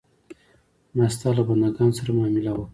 ما ستا له بندګانو سره معامله وکړه.